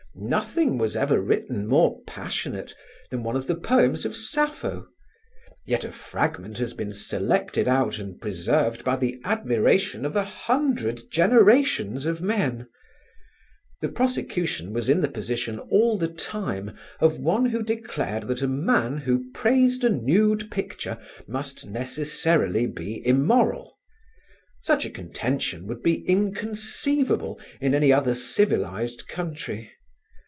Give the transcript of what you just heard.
Nothing was ever written more passionate than one of the poems of Sappho. Yet a fragment has been selected out and preserved by the admiration of a hundred generations of men. The prosecution was in the position all the time of one who declared that a man who praised a nude picture must necessarily be immoral. Such a contention would be inconceivable in any other civilised country.